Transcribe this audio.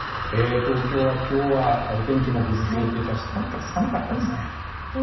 東京は今日はお天気もぐずついていたしとにかく寒かったですね。